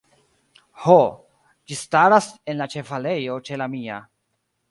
Ho; ĝi staras en la ĉevalejo ĉe la mia.